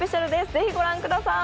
ぜひご覧ください。